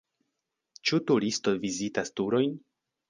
Ĉu turisto vizitas turojn?